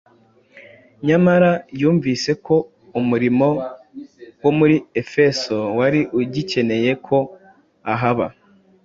Nyamara yumvise ko umurimo wo muri Efeso wari ugikeneye ko ahaba,